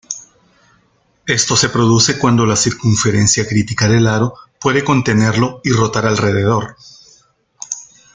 Esto se produce cuando la circunferencia crítica del aro puede contenerlo y rotar alrededor.